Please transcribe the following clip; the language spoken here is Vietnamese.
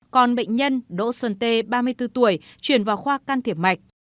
còn bệnh nhân đỗ xuân tê ba mươi bốn tuổi chuyển vào khoa can thiệp mạch